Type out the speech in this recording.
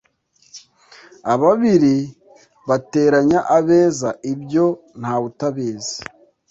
Ababiri bateranya abeza ibyo ntawutabizi.